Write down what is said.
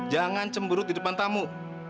jangan cemburuk di depan tamu